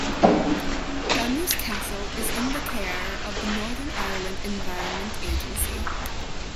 Dunluce Castle is in the care of the Northern Ireland Environment Agency.